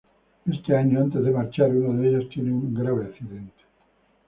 Este año, antes de marchar, uno ellos tiene un grave accidente.